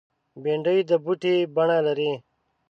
بېنډۍ د بوټي بڼه لري